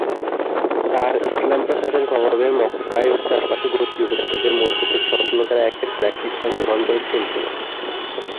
তার ইসলাম প্রচারের প্রভাবে মক্কায় ও চারপাশের গোত্রীয় উপজাতিদের মধ্য থেকে সৎ লোকেরা একের পর এক ইসলাম গ্রহণ করে চলছিল।